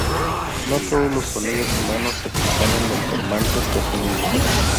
No todos los sonidos humanos se componen de formantes definidos.